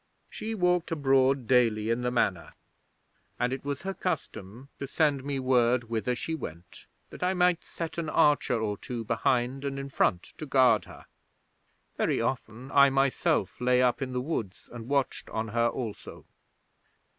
She walked abroad daily in the Manor, and it was her custom to send me word whither she went, that I might set an archer or two behind and in front to guard her. Very often I myself lay up in the woods and watched on her also.